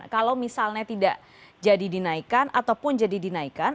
kalau misalnya tidak jadi dinaikkan ataupun jadi dinaikkan